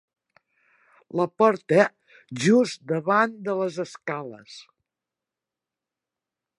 La porta just davant de les escales.